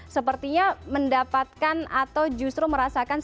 sepertinya mendapatkan atau justru merasakan sebuah kekejangan